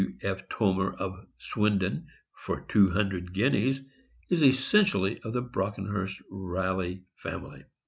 W. F. Toomer, of Swindon, for 200 guineas, is essentially of the Brockenhurst Rally family.